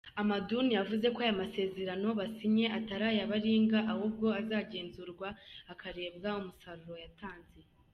Hamadoun yavuze ko aya masezerano basinye atari aya baringa ahubwo azagenzurwa hakarebwa umusaruro yatanze.